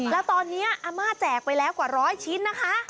แล้วตอนนี้อาม่าแจกไปแล้วกว่าร้อยชิ้นนะคะ